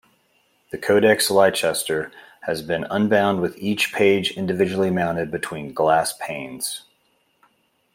The Codex Leicester has been unbound with each page individually mounted between glass panes.